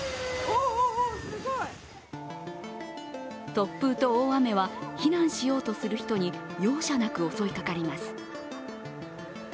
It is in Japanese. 突風と雨は避難しようとする人に容赦なく襲いかかります。